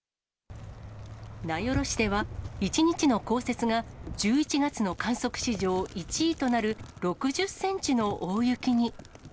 名寄市では、１日の降雪が、１１月の観測史上１位となる６０センチの大雪に。